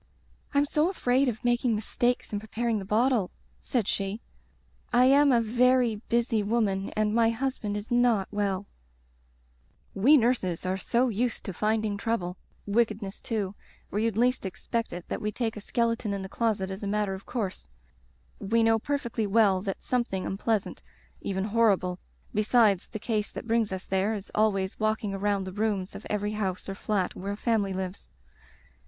Tm so afraid of making mistakes in preparing the bottle,' said she. *I am — z — ^very busy woman, and my husband is not well.' Digitized by LjOOQ IC Interventions " We nurses are so used to finding trouble — ^wickedness too — ^where you'd least ex pect it that we take a skeleton in the closet as a matter of course. We know perfectly well that something unpleasant — even hor rible — besides the case that brings us there, is always walking around the rooms of every house or flat where a family lives.